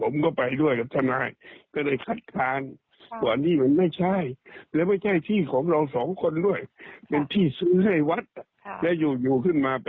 มัน๒๔๒๕ปีแล้วนะ